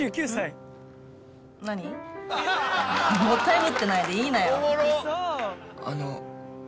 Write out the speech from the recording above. もったいぶってないで言いなよ。